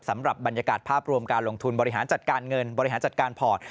สำหรับบรรยากาศภาพรวมการลงทุนบริหารจัดการเงินบริหารจัดการพอร์ต